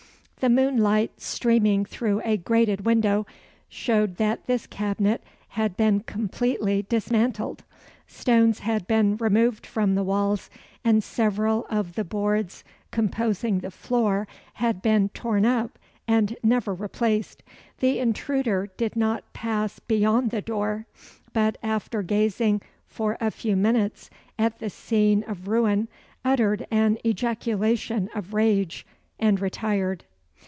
The moonlight streaming through a grated window, showed that this cabinet had been completely dismantled; stones had been removed from the walls; and several of the boards composing the floor, had been torn up and never replaced. The intruder did not pass beyond the door, but, after gazing for a few minutes at the scene of ruin, uttered an ejaculation of rage, and retired.